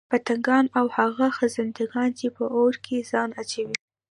پتنگان او هغه خزندګان چې په اور كي ځان اچوي